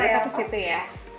kita ke situ ya